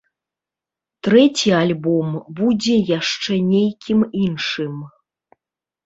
Трэці альбом будзе яшчэ нейкім іншым.